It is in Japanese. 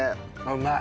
うまい！